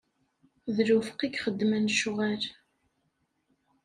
D lufeq i yexeddmen lecɣwal.